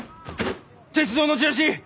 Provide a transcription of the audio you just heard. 鉄道のチラシ